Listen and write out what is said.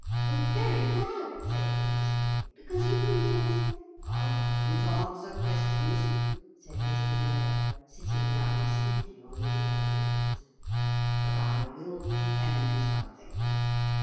'We're very glad,' said Lucy, 'because you can tell us ' 'I won't answer questions,' said Mr. Noah, sitting down stiffly on his yellow mat, 'but I will tell you something.